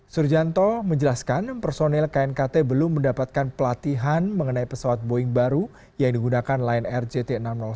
sujarto menjelaskan personil knkt belum mendapatkan pelatihan mengenai pesawat boeing baru yang digunakan lain rgt enam ratus satu